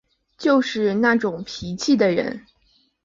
就是那种脾气的人